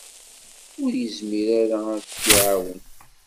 Ur yezmir ara ad k-iɛawen.